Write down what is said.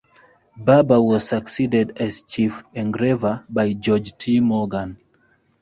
Barber was succeeded as Chief Engraver by George T. Morgan.